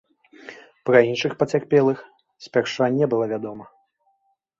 Пра іншых пацярпелых спярша не было вядома.